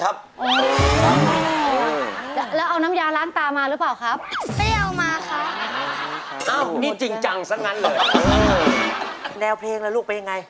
แนวเพลงละลูกเป็นยังไง